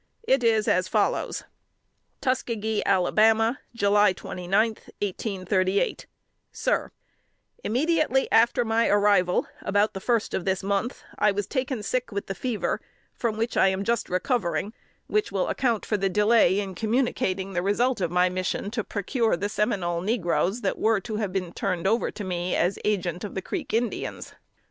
It is as follows: "TUSKOGEE, ALABAMA, July 29, 1838" "SIR: Immediately after my arrival (about the first of this month), I was taken sick with the fever, from which I am just recovering, which will account for the delay in communicating the result of my mission to procure the Seminole negroes that were to have been turned over to me, as agent of the Creek Indians."